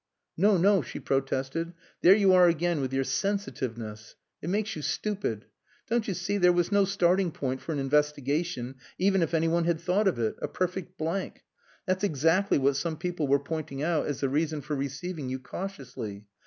"No, no," she protested. "There you are again with your sensitiveness. It makes you stupid. Don't you see, there was no starting point for an investigation even if any one had thought of it. A perfect blank! That's exactly what some people were pointing out as the reason for receiving you cautiously.